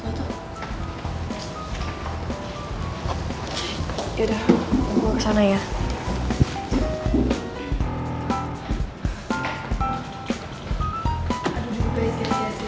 aduh juga baik guys yaudah